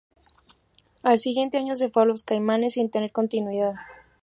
Al siguiente año se fue a Los Caimanes, sin tener continuidad.